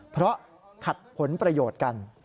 เพราะขัดผลประโยชน์กัน